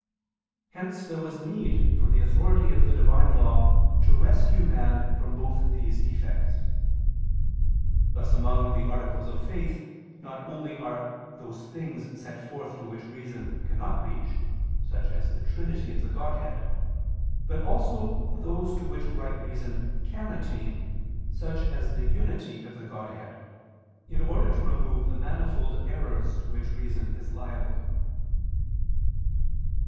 Hence there was need for the authority of the Divine law to rescue man from both these defects. Thus among the articles of faith not only are those things set forth to which reason cannot reach, such as the Trinity of the Godhead; but also those to which right reason can attain, such as the Unity of the Godhead; in order to remove the manifold errors to which reason is liable.